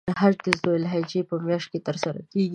حج د ذوالحجې په میاشت کې تر سره کیږی.